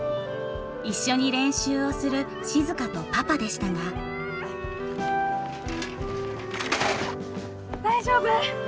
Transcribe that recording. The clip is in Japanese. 一緒に練習をする静とパパでしたが大丈夫？